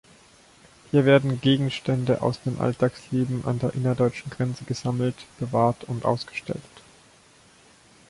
Hier werden Gegenstände aus dem Alltagsleben an der innerdeutschen Grenze gesammelt, bewahrt und ausgestellt.